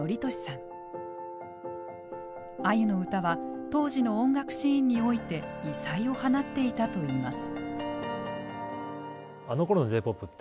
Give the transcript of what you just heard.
あゆの歌は当時の音楽シーンにおいて異彩を放っていたといいます。